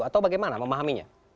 atau bagaimana memahaminya